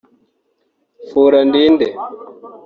For a ndinde